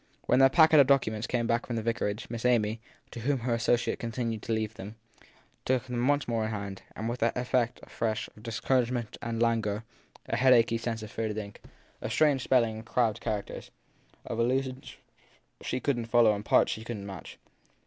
When their packet of documents came back from the vicarage Miss Amy, to whom her associate continued to leave them, took them once more in hand ; but with an effect, afresh, of discouragement and languor a headachy sense of faded ink, of strange spelling and crabbed characters, of allu sions she couldn t follow and parts she couldn t match.